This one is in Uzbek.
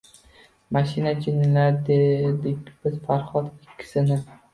Mashina jinnilari derdik biz Farhod ikkisini